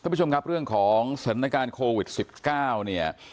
ผู้ชมครับเรื่องของสถานการณ์โควิด๑๙เนี่ย